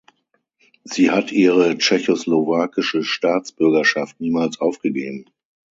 Sie hat ihre tschechoslowakische Staatsbürgerschaft niemals aufgegeben.